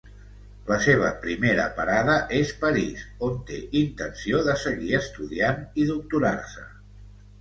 La seva primera parada és París on té intenció de seguir estudiant i doctorar-se.